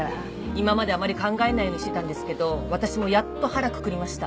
今まであまり考えないようにしてたんですけど私もやっと腹くくりました。